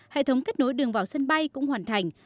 hệ thống kết nối đường vào sân bay cũng hoàn thành